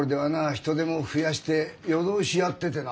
人手も増やして夜通しやっててな。